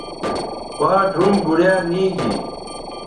باٹ ھُم بوڑیا نی گی